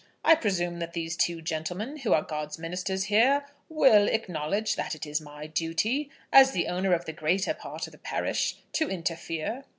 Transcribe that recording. I presume that these two gentlemen, who are God's ministers here, will acknowledge that it is my duty, as the owner of the greater part of the parish, to interfere?"